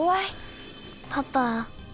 パパ。